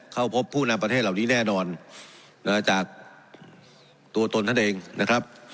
เข้าพบผู้นำประเทศเหล่านี้แน่นอนจากตัวตนท่านเองนะครับ